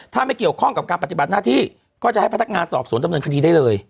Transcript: ถ้าไม่เกี่ยวข้องกับการปฏิบัติหน้าที่ก็จะให้พนักงานสอบสวนดำเนินคดีได้เลย